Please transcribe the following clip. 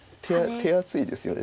手厚いですよね